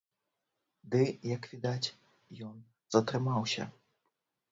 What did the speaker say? Ды, як відаць, ён затрымаўся.